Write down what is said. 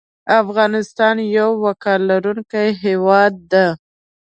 افغانستان یو وقار لرونکی هیواد ده